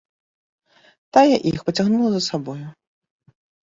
Тая іх пацягнула за сабою.